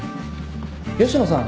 吉野さん